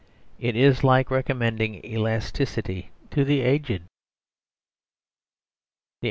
It is like recommending elasticity to the aged.